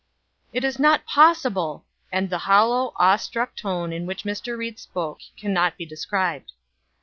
"It is not possible!" And the hollow, awestruck tone in which Mr. Ried spoke can not be described.